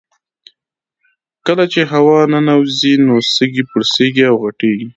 کله چې هوا ننوځي نو سږي پړسیږي او غټیږي